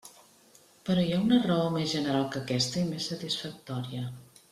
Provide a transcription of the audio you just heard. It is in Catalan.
Però hi ha una raó més general que aquesta, i més satisfactòria.